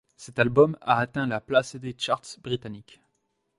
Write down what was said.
Cet album a atteint la place des charts britanniques.